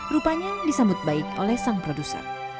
rupanya disambut baik oleh sang produser